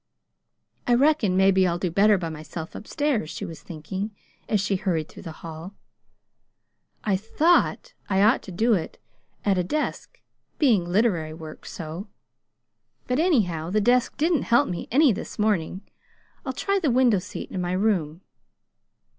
"I reckon maybe I'll do better by myself up stairs," she was thinking as she hurried through the hall. "I THOUGHT I ought to do it at a desk being literary work, so but anyhow, the desk didn't help me any this morning. I'll try the window seat in my room."